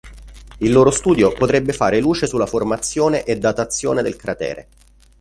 Il loro studio potrebbe fare luce sulla formazione e datazione del cratere.